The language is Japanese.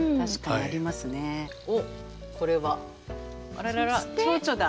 あらららチョウチョだ。